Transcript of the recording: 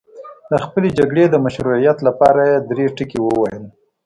د خپلې جګړې د مشروعیت لپاره یې درې ټکي وویل.